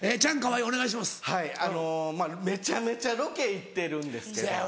はいあのまぁめちゃめちゃロケ行ってるんですけど。